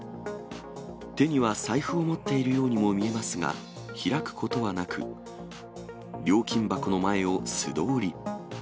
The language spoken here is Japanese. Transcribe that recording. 手には財布を持っているようにも見えますが、開くことはなく、料金箱の前を素通り。